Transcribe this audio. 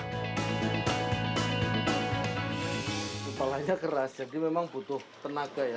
kepalanya keras jadi memang butuh tenaga ya